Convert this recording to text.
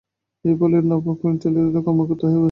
এই বলে নবগোপালই ঠেলেঠুলে কর্মকর্তা হয়ে বসল।